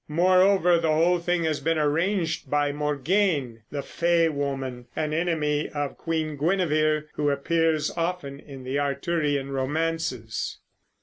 Moreover, the whole thing has been arranged by Morgain the fay woman (an enemy of Queen Guinevere, who appears often in the Arthurian romances).